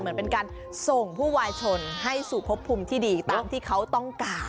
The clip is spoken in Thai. เหมือนเป็นการส่งผู้วายชนให้สู่พบภูมิที่ดีตามที่เขาต้องการ